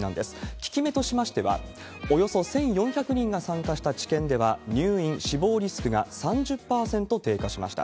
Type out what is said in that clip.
効き目としましては、およそ１４００人が参加した治験では、入院、死亡リスクが３０％低下しました。